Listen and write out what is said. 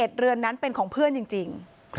เรือนนั้นเป็นของเพื่อนจริง